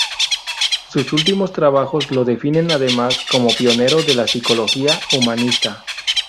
Sus últimos trabajos lo definen además como pionero de la psicología humanista.